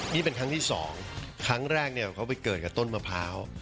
นี่เป็นครั้งที่สองครั้งแรกเนี่ยเขาไปเกิดกับต้นมะพร้าว